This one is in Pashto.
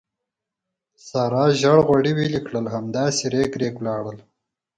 سارې زېړ غوړي ویلې کړل، همداسې رېګ رېګ ولاړل.